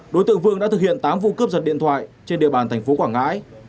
đối tượng vương đã thực hiện tám vụ cướp giật điện thoại trên địa bàn thành phố quảng ngãi